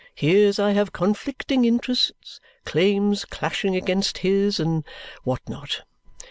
Hears I have conflicting interests, claims clashing against his and what not.